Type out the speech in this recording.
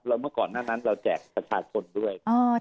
เราเมื่อก่อนหน้านั้นเราแจกสถานทุกคนด้วย